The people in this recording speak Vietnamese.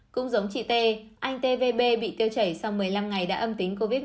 cũng giống chị t anh tvb bị tiêu chảy sau một mươi năm ngày đã âm tính covid một mươi chín